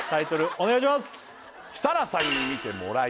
お願いします